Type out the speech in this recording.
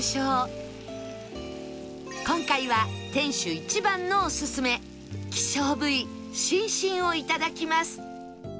今回は店主一番のオススメ希少部位しんしんをいただきます